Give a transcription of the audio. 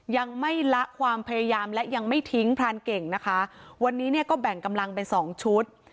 ยังไม่ละความพยายามและยังไม่ทิ้งพรานเก่งนะคะวันนี้เนี่ยก็แบ่งกำลังเป็นสองชุด